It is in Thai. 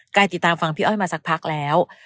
ติดตามฟังพี่อ้อยมาสักพักแล้ว